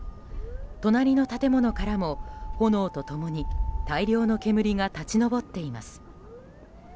隣の建物からも炎と共に大量の煙が立ち上っています。